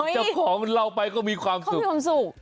เดี๋ยวจากของเราไปก็มีความสุข